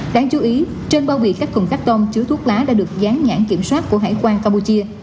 đáng chú ý trên bao vị các thùng cắt tông chứa thuốc lá đã được gián nhãn kiểm soát của hải quan campuchia